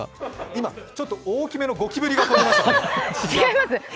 今、ちょっと大きめのゴキブリが飛んでいました？